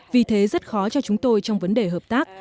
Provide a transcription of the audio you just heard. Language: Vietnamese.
vì thế rất khó cho chúng tôi trong vấn đề hợp tác